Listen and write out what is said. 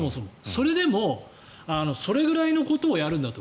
それでもそれぐらいのことをやるんだと。